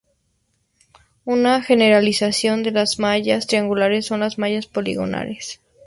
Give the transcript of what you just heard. Una generalización de las mallas triangulares son las mallas poligonales.